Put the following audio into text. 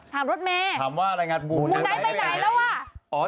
ถามรถเมถามว่าอะไรอย่างนั้นมูไนท์ไปไหนมูไนท์ไปไหนแล้วอ่ะ